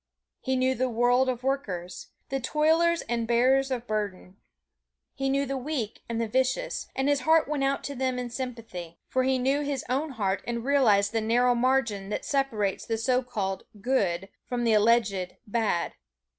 He knew the world of workers the toilers and bearers of burdens. He knew the weak and the vicious, and his heart went out to them in sympathy; for he knew his own heart and realized the narrow margin that separates the so called "good" from the alleged "bad."